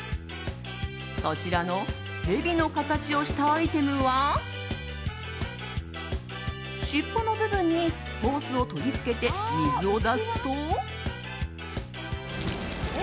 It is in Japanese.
こちらのヘビの形をしたアイテムは尻尾の部分にホースを取り付けて水を出すと。